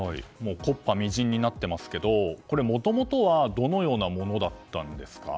木っ端みじんになってますけどもともとはどのようなものだったんですか？